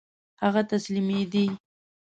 هغه تسلیمېدی.